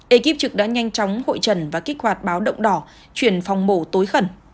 ekip trực đã nhanh chóng hội trần và kích hoạt báo động đỏ chuyển phòng mổ tối khẩn